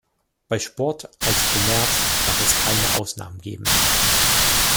Bei Sport als Kommerz darf es keine Ausnahmen geben.